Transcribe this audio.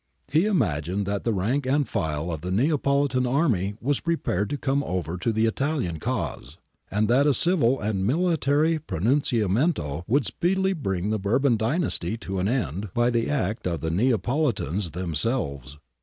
^ He imagined that the rank and file of the Neapolitan army was prepared to come over to the Italian cause, and that a civil and military pronunciamento would speedily bring the Bourbon dynasty to an end by the act of the Neapolitans themselves.